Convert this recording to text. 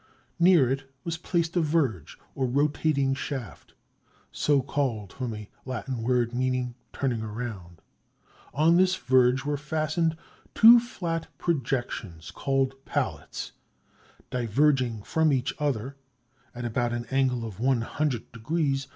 Near it was placed a verge, or rotating shaft, so called from a Latin word meaning "turning around." On this verge were fastened two flat projections called pallets, diverging from each other at about an angle of one hundred degrees.